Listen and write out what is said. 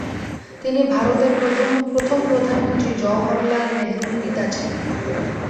তিনি ভারতের প্রথম প্রধানমন্ত্রী জওহরলাল নেহ্রুর পিতা ছিলেন।